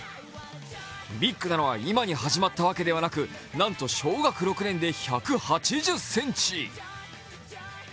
ビッグなのは今に始まったわけではなく、なんと小学６年で１８０ｃｍ。